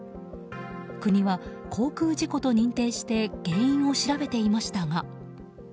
国は航空事故と認定して原因を調べていましたが。